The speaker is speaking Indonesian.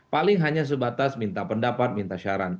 paling hanya sebatas minta pendapat minta saran